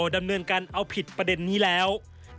ดำเนินการเอาผิดประเด็นนี้แล้ว